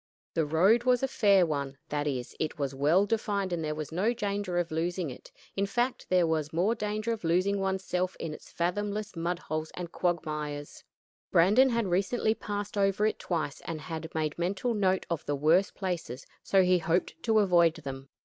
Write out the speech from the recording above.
The road was a fair one; that is, it was well defined and there was no danger of losing it; in fact, there was more danger of losing one's self in its fathomless mud holes and quagmires. Brandon had recently passed over it twice, and had made mental note of the worst places, so he hoped to avoid them.